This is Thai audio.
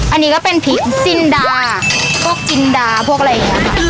อันนี้ก็เป็นพริกจินดาพวกจินดาพวกอะไรอย่างนี้ค่ะ